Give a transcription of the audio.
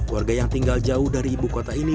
warga yang tinggal jauh dari ibu kota ini